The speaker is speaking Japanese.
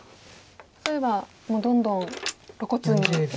例えばもうどんどん露骨に。